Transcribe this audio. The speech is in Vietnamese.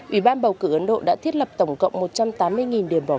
ủy ban bầu cử ấn độ đã thiết lập tổng cộng một trăm tám mươi